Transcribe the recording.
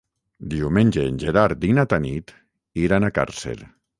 Diumenge en Gerard i na Tanit iran a Càrcer.